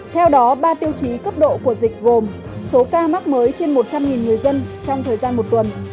theo đó ba tiêu chí cấp độ của dịch gồm số ca mắc mới trên một trăm linh người dân trong thời gian một tuần